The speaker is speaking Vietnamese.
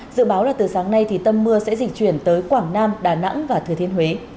dự báo là từ sáng nay thì tâm mưa sẽ dịch chuyển tới quảng nam đà nẵng và thừa thiên huế